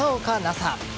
紗。